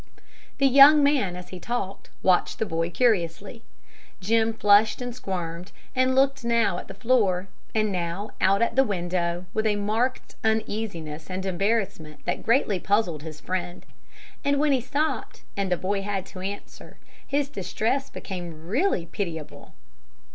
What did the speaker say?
The young man, as he talked, watched the boy curiously. Jim flushed and squirmed, and looked now at the floor and now out at the window, with a marked uneasiness and embarrassment that greatly puzzled his friend. And when he stopped, and the boy had to answer, his distress became really pitiable.